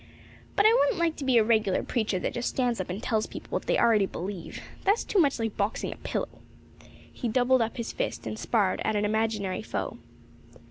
"But I wouldn't like to be a regular preacher that just stands up and tells people what they already believe. That's too much like boxing a pillow." He doubled up his fist and sparred at an imaginary foe.